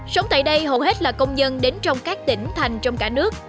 sống tại đây hầu hết là công nhân đến trong các tỉnh thành trong cả nước